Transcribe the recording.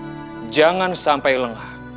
dan jangan sampai lengah